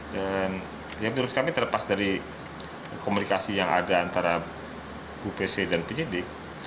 dan menurut kami terlepas dari komunikasi yang ada antara ibu pc dan penyidik